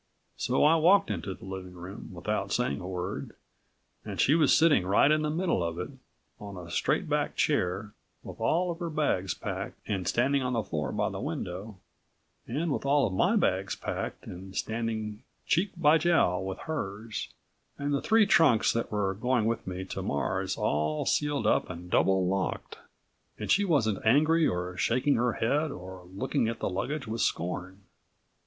So I walked into the living room without saying a word and she was sitting right in the middle of it, on a straight back chair with all of her bags packed and standing on the floor by the window, and with all of my bags packed and standing cheek by jowl with hers, and the three trunks that were going with me to Mars all sealed up and double locked, and she wasn't angry or shaking her head or looking at the luggage with scorn.